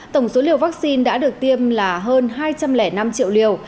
tổng số liều vaccine đã được tiêm là hơn hai trăm linh năm triệu liều